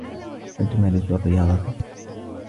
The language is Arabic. هل تمارس الرياضة؟